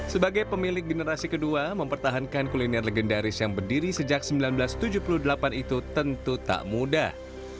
sebagai pemilik generasi kedua mempertahankan kuliner legendaris yang berdiri sejak seribu sembilan ratus tujuh puluh delapan itu tentu tak mudah